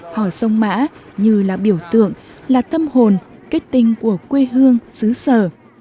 hò sông mã như là biểu tượng là tâm hồn kết tinh của quê hương xứ sở